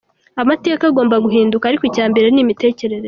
Amateka agomba guhinduka ariko icya mbere ni imitekerereze.